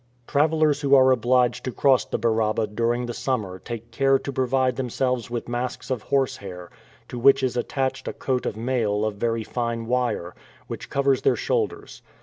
Travelers who are obliged to cross the Baraba during the summer take care to provide themselves with masks of horse hair, to which is attached a coat of mail of very fine wire, which covers their shoulders.